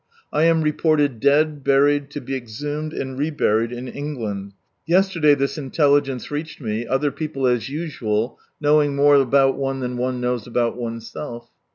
I am reported dead, buried, to be exhumed, and reburied in England. Yesterday this intelligence reached me, other people as usual knowing more about one than one knows about oneself.